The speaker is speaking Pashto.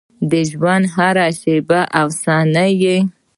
د ژونـد هـره شـيبه او صحـنه يـې